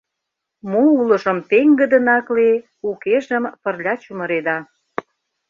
Мо улыжым пеҥгыдын акле, Укежым пырля чумыреда!